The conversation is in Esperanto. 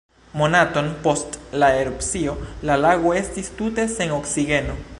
Monaton post la erupcio, la lago estis tute sen oksigeno.